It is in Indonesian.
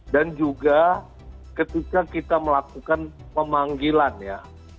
dan juga ketika kita melakukan pemanggilan ya